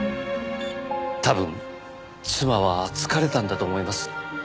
多分妻は疲れたんだと思います。